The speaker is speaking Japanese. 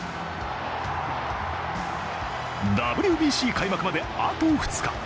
ＷＢＣ開幕まで、あと２日。